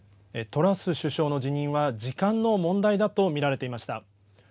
トラス首相の辞任は時間の問題だと見られていました。